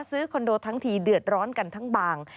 คอนโดทั้งทีเดือดร้อนกันทั้งบาง